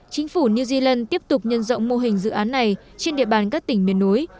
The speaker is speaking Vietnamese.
chính phủ new zealand tiếp tục nhân rộng mô hình dự án này trên địa bàn các tỉnh miền núi